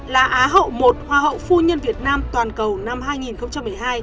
là á hậu i hoa hậu phu nhân việt nam toàn cầu năm hai nghìn một mươi hai